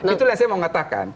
itulah yang saya mau katakan